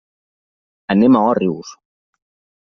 Anem a Òrrius.